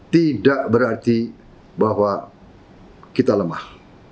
tidak berarti bahwa kita lemah